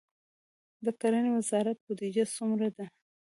د کرنې وزارت بودیجه څومره ده؟